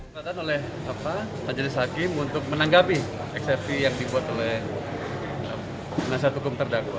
ketatan oleh majelis hakim untuk menanggapi eksepsi yang dibuat oleh penasihat hukum terdakwa